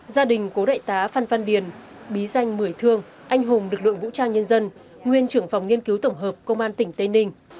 gia đình cố đại tá phan văn điền bí danh mười thương anh hùng lực lượng vũ trang nhân dân nguyên trưởng phòng nghiên cứu tổng hợp công an tỉnh tây ninh